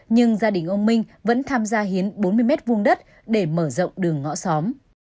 nhưng gia đình ông minh vẫn tham gia hiến bốn mươi m hai đất để mở rộng đường ngõ xóm